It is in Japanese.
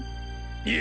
いえ！